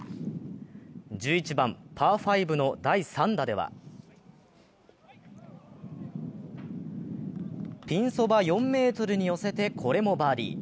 １１番パー５の第３打ではピンそば４ｍに寄せて、これもバーディー。